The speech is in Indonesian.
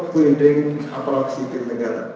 punding atau aktivitas negara